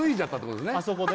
あそこで？